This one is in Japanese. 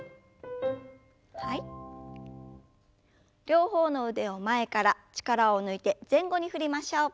両方の腕を前から力を抜いて前後に振りましょう。